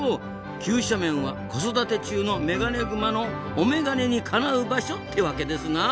急斜面は子育て中のメガネグマのお眼鏡にかなう場所ってワケですな。